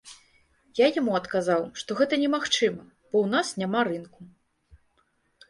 Я яму адказаў, што гэта немагчыма, бо ў нас няма рынку.